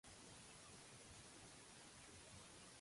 Devot de santa Clara.